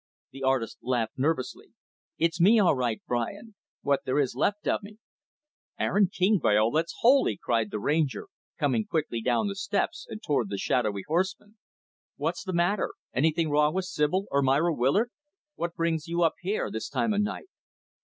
The artist laughed nervously. "It's me, all right, Brian what there is left of me." "Aaron King, by all that's holy!" cried the Ranger, coming quickly down the steps and toward the shadowy horseman. "What's the matter? Anything wrong with Sibyl or Myra Willard? What brings you up here, this time of night?"